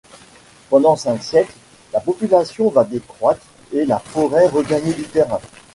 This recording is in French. Pendant cinq siècles, la population va décroître et la forêt regagner du terrain.